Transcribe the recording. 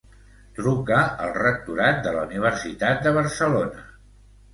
Truca al rectorat de la Universitat de Barcelona.